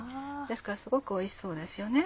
ですからすごくおいしそうですよね。